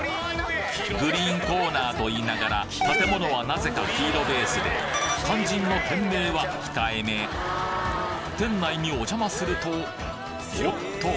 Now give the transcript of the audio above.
グリーンコーナーと言いながら建物はなぜか黄色ベースで肝心の店名は控えめ店内にお邪魔するとおっと！